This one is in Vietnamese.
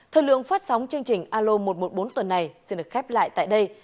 thời lượng phát sóng chương trình alo một trăm một mươi bốn tuần này xin được khép lại tại đây